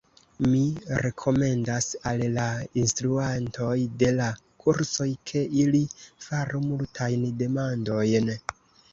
Mi rekomendas al la instruantoj de la kursoj, ke, ili faru multajn demandojn.